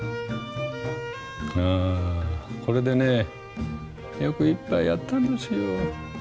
あこれでねよく１杯やったんですよ。